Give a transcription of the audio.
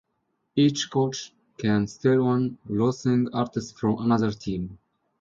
Each coach can steal one losing artist from another team.